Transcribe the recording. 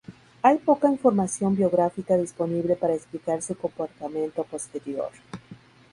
Hay poca información biográfica disponible para explicar su comportamiento posterior.